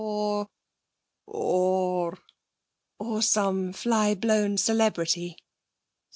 or ...' 'Or some fly blown celebrity.'